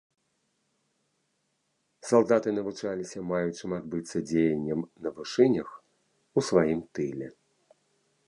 Салдаты навучаліся маючым адбыцца дзеянням на вышынях у сваім тыле.